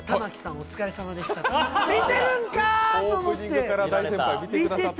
お疲れさまでしたって。